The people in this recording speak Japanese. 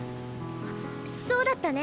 そうだったね。